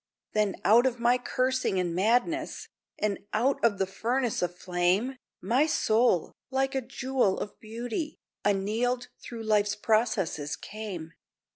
Then out of my cursing and madness, And out of the furnace of flame, My soul, like a jewel of beauty, Annealed through life's processes came.